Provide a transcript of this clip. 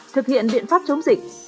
thực hiện biện pháp chống dịch